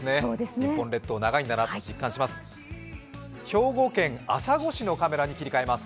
日本列島長いんだなと実感します。